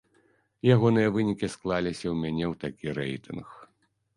Ягоныя вынікі склаліся ў мяне ў такі рэйтынг.